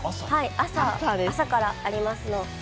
朝からありますので。